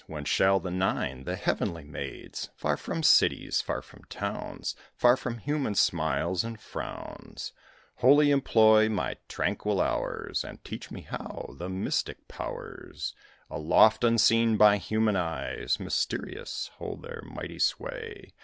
When shall the Nine, the heavenly maids, Far from cities, far from towns, Far from human smiles and frowns, Wholly employ my tranquil hours, And teach me how the mystic powers Aloft, unseen by human eyes, Mysterious, hold their mighty sway?